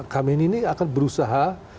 khamenei ini akan berusaha